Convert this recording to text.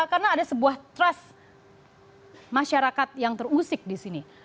karena ada sebuah trust masyarakat yang terusik disini